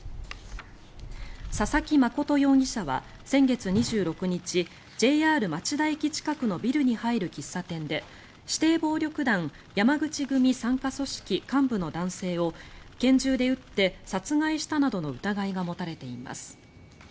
佐々木誠容疑者は先月２６日ＪＲ町田駅近くのビルに入る喫茶店で指定暴力団山口組傘下組織幹部の男性を拳銃で撃って殺害したなどの疑いが持たれています。